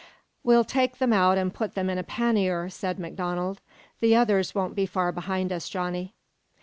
"We'll take them out and put 'em in a pannier," said MacDonald. "The others won't be far behind us, Johnny."